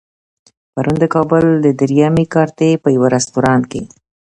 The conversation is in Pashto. پرون د کابل د درېیمې کارتې په يوه رستورانت کې.